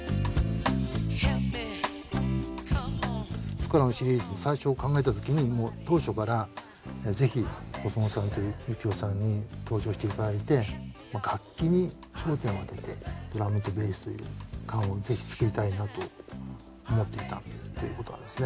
「スコラ」のシリーズ最初考えた時に当初からぜひ細野さんと幸宏さんに登場して頂いて楽器に焦点を当ててドラムとベースという回をぜひ作りたいなと思っていたということなんですね。